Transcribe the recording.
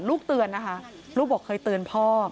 เตือนนะคะลูกบอกเคยเตือนพ่อ